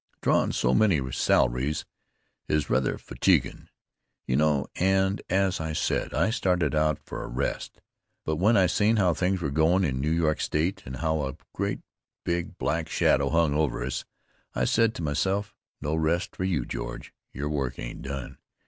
Drawin' so many salaries is rather fatiguin', you know, and, as I said, I started out for a rest; but when I seen how things were goin' in New York State, and how a great big black shadow hung over us, I said to myself: "No rest for you, George. Your work ain't done.